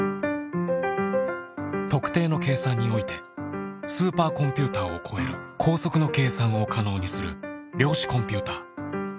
特定の計算においてスーパーコンピューターを超える高速の計算を可能にする量子コンピューター。